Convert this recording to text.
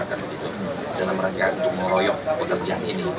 karena itu dalam rangka untuk meroyok pekerjaan ini